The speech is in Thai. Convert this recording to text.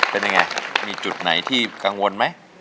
เป็นยังไงมีจุดไหนที่กังวลไหม